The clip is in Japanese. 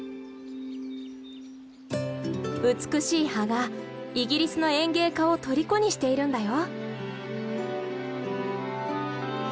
美しい葉がイギリスの園芸家を虜にしているんだよ。